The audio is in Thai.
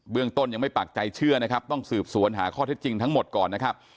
ต้นยังไม่ปากใจเชื่อนะครับต้องสืบสวนหาข้อเท็จจริงทั้งหมดก่อนนะครับ